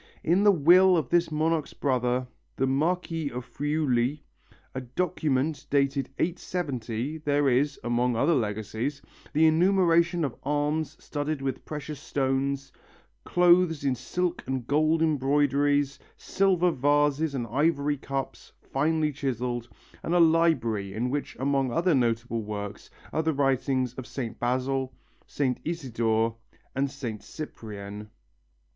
In the will of this monarch's brother, the Marquis of Friuli, a document dated 870, there is, among other legacies, the enumeration of arms studded with precious stones, clothes in silk and gold embroideries, silver vases and ivory cups, finely chiselled, and a library in which among other notable works are the writings of Saint Basil, Saint Isidore and Saint Cyprian.